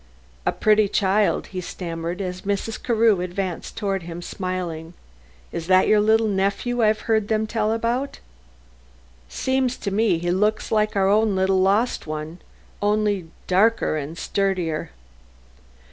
"A pretty child," he stammered, as Mrs. Carew advanced toward him smiling. "Is that your little nephew I've heard them tell about? Seems to me he looks like our own little lost one; only darker and sturdier."